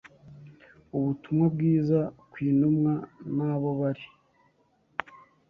Ubutumwa Bwiza kw’intumwa n’abo bari